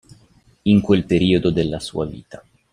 In quel periodo della sua vita.